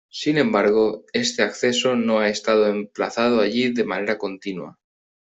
Sin embargo, este acceso no ha estado emplazado allí de manera continua.